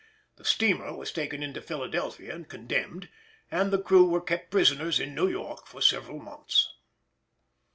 The steamer was taken into Philadelphia and condemned, and the crew were kept prisoners in New York for several months.